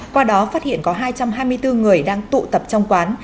qua đó phát hiện có hai trăm hai mươi bốn người đang tụ tập trong quán